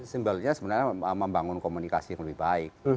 simbolnya sebenarnya membangun komunikasi yang lebih baik